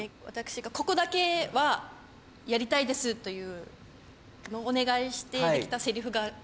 私が「ここだけはやりたいです」というお願いして出来た台詞が。